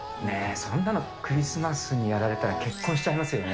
そんなのクリスマスにやられたら結婚しちゃいますよね。